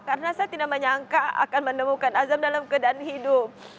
karena saya tidak menyangka akan menemukan azam dalam keadaan hidup